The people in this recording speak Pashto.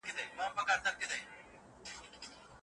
هغوی د یوازېوالي احساس ولي نه کوي؟